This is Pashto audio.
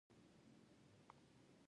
په رسمي تبلیغاتو کې واکمنان ستایل کېدل.